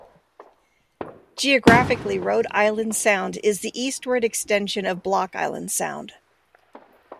Geographically, Rhode Island Sound is the eastward extension of Block Island Sound.